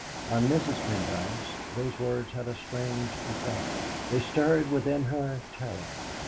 On Mrs. Pendyce those words had a strange effect. They stirred within her terror.